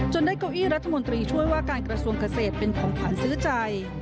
ได้เก้าอี้รัฐมนตรีช่วยว่าการกระทรวงเกษตรเป็นของขวัญซื้อใจ